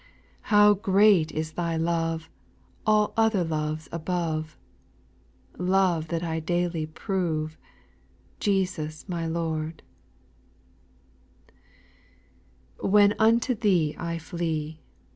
how great is Thy love, All other loves above, Love that I daily prove, Jesus my Lord I 8. When unto Thee I flee.